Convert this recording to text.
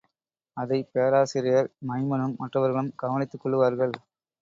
அதைப் பேராசிரியர் மைமனும், மற்றவர்களும் கவனித்துக் கொள்ளுவார்கள்.